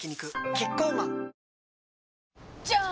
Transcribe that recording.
キッコーマンじゃーん！